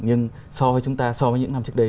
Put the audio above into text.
nhưng so với chúng ta so với những năm trước đây